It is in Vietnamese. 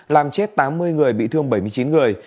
làm chết tám mươi người bị thương bảy mươi chín người